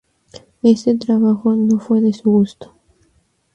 Este trabajo no fue de su gusto.